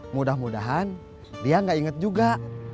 mudah mudahan dia gak ingat juga